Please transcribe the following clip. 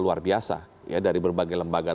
luar biasa ya dari berbagai lembaga